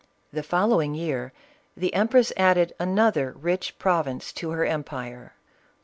The following year, the empress added another rich province to her empire.